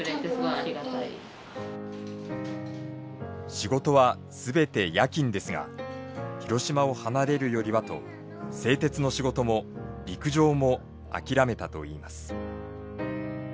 仕事は全て夜勤ですが広島を離れるよりはと製鉄の仕事も陸上も諦めたといいます。